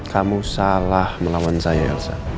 kamu salah melawan saya elsa